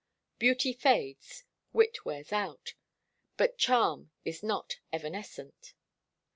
Beauty fades; wit wears out; but charm is not evanescent.